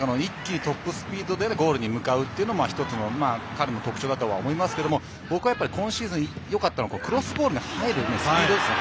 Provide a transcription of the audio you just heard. ショートカウンターから一気にトップスピードでゴールに向かっているのが彼の特徴だと思いますけれども今シーズンよかったのはこのクロスボールに入るスピードです。